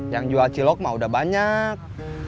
yang jual cilok mah udah banyak